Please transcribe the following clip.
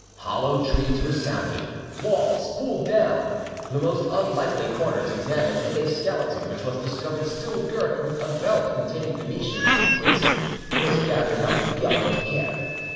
Hollow trees were sounded, walls pulled down, the most unlikely corners examined, and a skeleton which was discovered still girt with a belt containing Venetian sequins was gathered up with the utmost care.